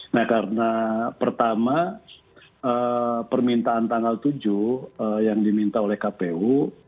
nah karena pertama permintaan tanggal tujuh yang diminta oleh kpu